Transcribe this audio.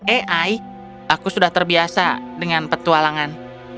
ai aku sudah terbiasa dengan petualangan